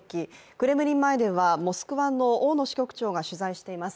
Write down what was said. クレムリン前ではモスクワの大野支局長が取材しています。